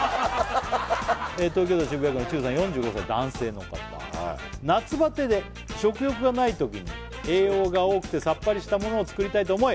東京都渋谷区のチュウさん４５歳男性の方夏バテで食欲がないときに栄養が多くてさっぱりしたものを作りたいと思い